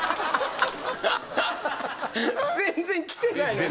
全然来てないのに。